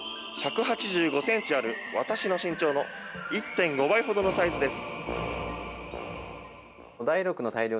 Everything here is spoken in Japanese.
１８５ｃｍある私の身長の１．５倍ほどのサイズです。